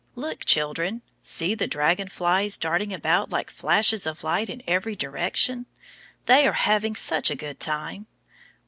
Look, children; see the dragon flies darting about like flashes of light in every direction. They are having such a good time.